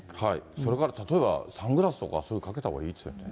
それから例えば、サングラスとか、そういうのかけたほうがいいですね。